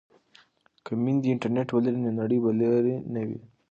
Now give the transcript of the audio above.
که میندې انټرنیټ ولري نو نړۍ به لرې نه وي.